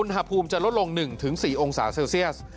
อุณหภูมิจะลดลง๑๔องศาเซลเซียส